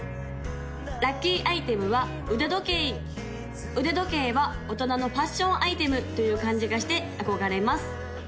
・ラッキーアイテムは腕時計腕時計は大人のファッションアイテムという感じがして憧れます